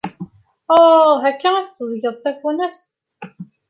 Uh, akka ay tetteẓẓgeḍ tafunast?